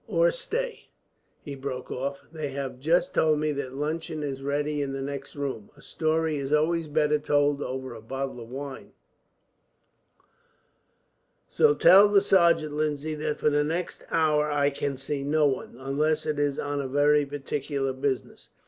"Or stay," he broke off, "they have just told me that luncheon is ready in the next room. A story is always better told over a bottle of wine, so tell the sergeant, Lindsay, that for the next hour I can see no one, unless it is on very particular business.